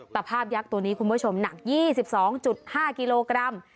ภาพยักษ์ตัวนี้คุณผู้ชมหนัก๒๒๕กิโลกรัม